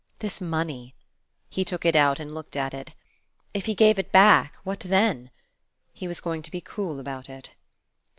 This money! He took it out, and looked at it. If he gave it back, what then? He was going to be cool about it.